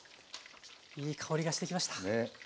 いい香りがしてきました。